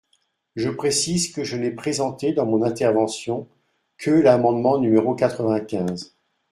Je précise que je n’ai présenté, dans mon intervention, que l’amendement numéro quatre-vingt-quinze.